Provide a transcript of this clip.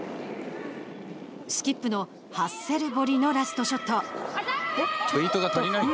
スキップのハッセルボリのラストショット。